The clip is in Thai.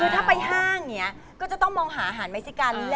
ถ้าไปห้างจะต้องมองอาหารไมซิกัน